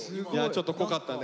ちょっと濃かったね。